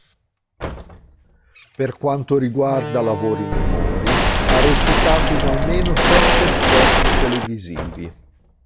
Per quanto riguarda lavori minori, ha recitato in almeno sette spot televisivi.